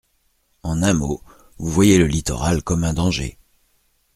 En un mot, vous voyez le littoral comme un danger.